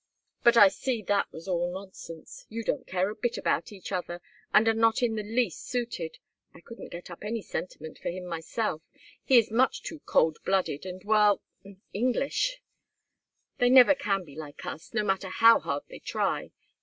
But I see that was all nonsense. You don't care a bit about each other and are not in the least suited. I couldn't get up any sentiment for him myself; he is much too cold blooded and, well English. They never can be like us, no matter how hard they try.